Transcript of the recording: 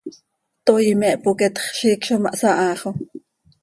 Toii me hpoqueetx, ziic zo ma hsahaa xo.